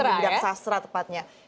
di bidang sastra tepatnya